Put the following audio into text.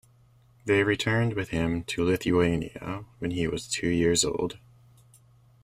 They returned with him to Lithuania when he was two years old.